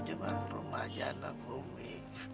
cuman rumah aja anak umi